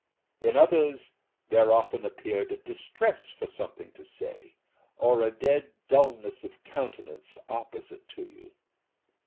In others there often appeared a distress for something to say, or a dead dullness of countenance opposite to you.